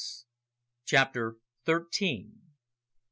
CHAPTER THIRTEEN.